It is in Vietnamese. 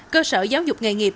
cơ sở giáo dục nghề nghiệp